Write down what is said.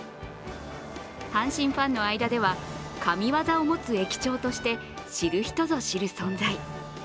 阪神ファンの間では神業を持つ駅長として知る人ぞ知る存在。